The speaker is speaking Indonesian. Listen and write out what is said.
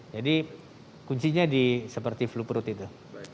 jadi kuncinya seperti flu perut itu